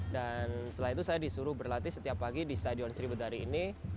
dan setelah itu saya disuruh berlatih setiap pagi di stadion sri budari ini